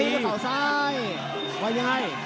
ตีด้วยข่าวซ้ายว่ายังไง